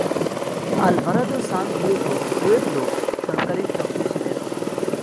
Alvarado San Diego Pueblo সরকারে সক্রিয় ছিলেন।